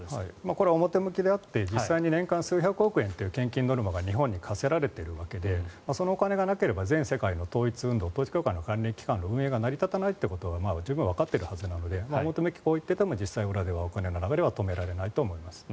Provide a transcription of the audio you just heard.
これは表向きであって実際には年間数百億円という献金が日本に課せられているわけでそのお金がなければ全世界の統一運動統一教会関連機関の活動が成り立たないということはわかっているはずなのでこう言っていても実際裏ではお金の流れは止められないと思います。